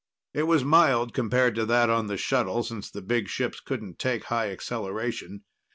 It was mild compared to that on the shuttle, since the big ships couldn't take high acceleration.